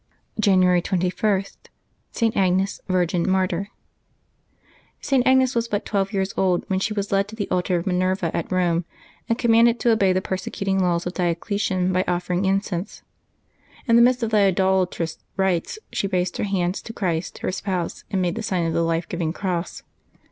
January 21. —ST. AGNES, Virgin, Martyr. tfjJT. Agxes was but twelve years old when she was led Cy to the altar of Minerva at Eome and commanded to obey the persecuting laws of Diocletian by offering incense. In the midst of the idolatrous rites she raised her hands to Christ, her Spouse, and made the sign of the life giving cross.